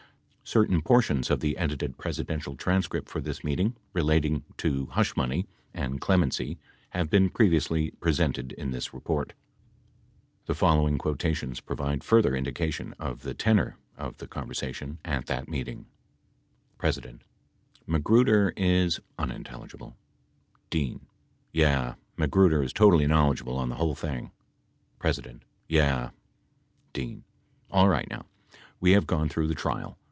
56 Certain portions of the edited Presidential transcript for this meet ing relating to hush money and clemency have been previously pre sented in this report. The following quotations provide further indica tion of the tenor of the conversation at that meeting : P. Magruder is [unintelligible] D. Yeah. Magruder is totally knowledgeable on the whole thing. P. Yeah. D. Alright now, we have gone through the trial.